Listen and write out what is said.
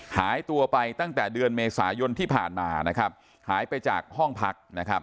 หายตัวไปตั้งแต่เดือนเมษายนที่ผ่านมาหายไปจากห้องพัก